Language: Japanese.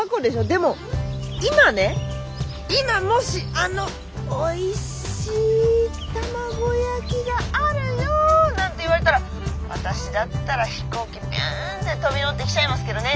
でも今ね今もしあのおいしい卵焼きがあるよなんて言われたら私だったら飛行機ビュンって飛び乗って来ちゃいますけどね。